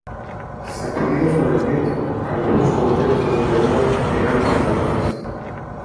sacudidos por el viento, algunos cocoteros desgreñados , enanos y salvajes.